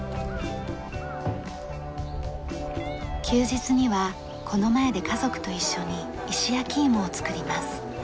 休日にはこの前で家族と一緒に石焼き芋を作ります。